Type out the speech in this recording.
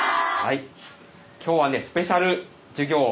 今日はねスペシャル授業